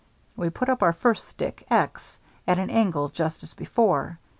We put up our first stick (x) at an angle just as before.